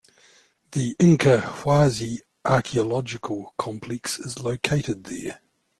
The Incahuasi Archeological complex is located there.